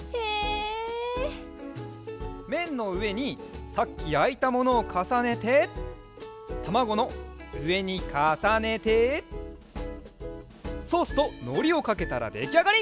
めんのうえにさっきやいたものをかさねてたまごのうえにかさねてソースとのりをかけたらできあがり！